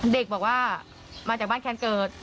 เด็กบอกว่ามาจากบ้านแคนเกิด